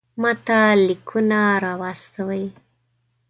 ماته لیکونه را واستوئ.